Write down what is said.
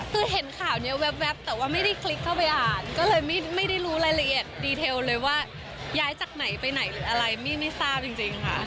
คือเห็นข่าวนี้แว๊บแต่ว่าไม่ได้คลิกเข้าไปอ่านก็เลยไม่ได้รู้รายละเอียดดีเทลเลยว่าย้ายจากไหนไปไหนหรืออะไรมี่ไม่ทราบจริงค่ะ